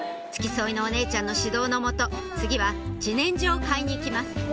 付き添いのお姉ちゃんの指導の下次は自然薯を買いに行きます